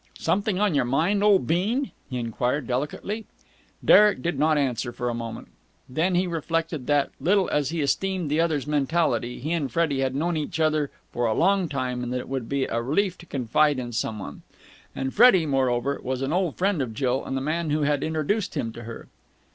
"Something on your mind, old bean?" he enquired delicately. Derek did not answer for a moment. Then he reflected that, little as he esteemed the other's mentality, he and Freddie had known each other a long time, and that it would be a relief to confide in some one. And Freddie, moreover, was an old friend of Jill and the man who had introduced him to her.